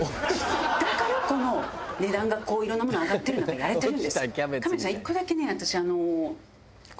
だからこの値段がこういろんなもの上がってる中やれてるんですよ。